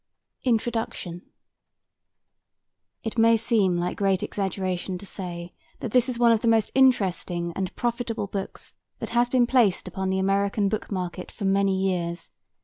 INTRODUCTION. It may seem like great exaggeration to say that this is one of the most interesting and profitable books that has been placed upon the American book market for many years.